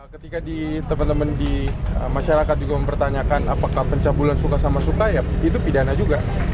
ketika di teman teman di masyarakat juga mempertanyakan apakah pencabulan suka sama suka ya itu pidana juga